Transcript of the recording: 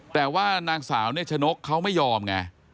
แต่ว่านางสาวเนชนกเขาไม่ยอมไง